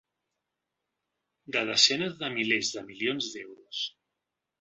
De desenes de milers de milions d’euros.